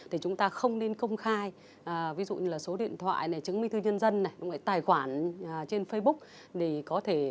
thì chúng ta không nên công khai ví dụ như là số điện thoại chứng minh thư nhân dân tài khoản trên facebook